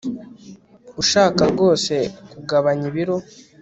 Urashaka rwose kugabanya ibiro